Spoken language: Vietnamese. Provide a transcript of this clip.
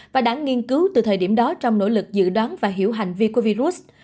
và đã nghiên cứu từ thời điểm đó trong nỗ lực dự đoán và hiểu hành vi của virus